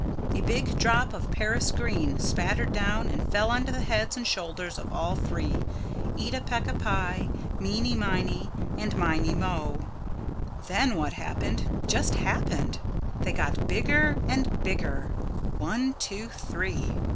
A big drop of paris green spattered down and fell onto the heads and shoulders of all three, Eeta Peeca Pie, Meeny Miney and Miney Mo. Then what happened just happened. They got bigger and bigger one, two, three.